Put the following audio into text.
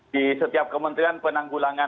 di setiap kementerian penanggulangan